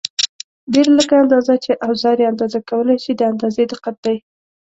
ډېره لږه اندازه چې اوزار یې اندازه کولای شي د اندازې دقت دی.